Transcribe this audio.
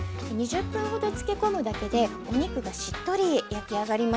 ２０分ほど漬け込むだけでお肉がしっとり焼き上がります。